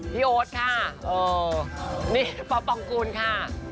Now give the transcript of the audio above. พี่โอ๊ตค่ะพอปองกุลค่ะ